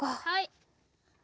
はい。